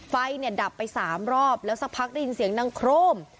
ไฟเนี่ยดับไป๓รอบแล้วสักพักได้ยินเสียงดังโครม